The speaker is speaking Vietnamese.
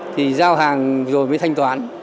thì giao hàng rồi mới thanh toán